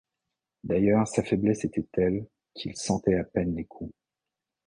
D’ailleurs sa faiblesse était telle qu’il sentait à peine les coups.